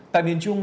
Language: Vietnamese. tại miền trung